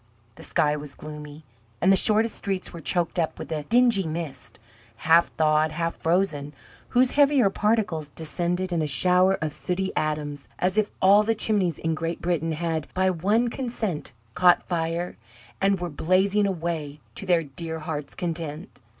The sky was gloomy, and the shortest streets were choked up with a dingy mist, half thawed, half frozen, whose heavier particles descended in a shower of sooty atoms, as if all the chimneys in Great Britain had, by one consent, caught fire, and were blazing away to their dear heart's content.